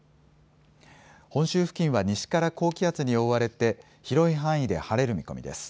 本州付近は西から高気圧に覆われて広い範囲で晴れる見込みです。